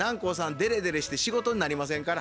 デレデレして仕事になりませんから。